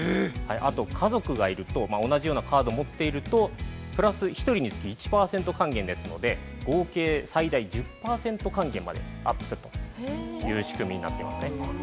あと家族がいると、同じようなカードを持っていると、プラス１人につき１％還元ですので、合計最大１０ポイント還元までアップするという仕組みになっていますね。